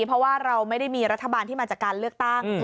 เพราะว่าเราไม่ได้มีรัฐบาลที่มาจากการเลือกตั้ง